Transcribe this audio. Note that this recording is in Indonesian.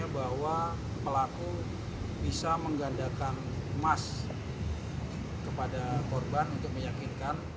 bisa menggandakan emas kepada korban untuk meyakinkan